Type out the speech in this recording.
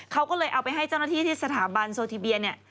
เขาก็เลยเอาไปให้เจ้าหน้าที่ที่สถาบันโซทิเบียเนี่ย